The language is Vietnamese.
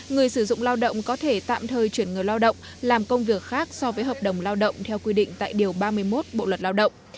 người sử dụng lao động có thể tạm thời chuyển người lao động làm công việc khác so với hợp đồng lao động theo quy định tại điều ba mươi một bộ luật lao động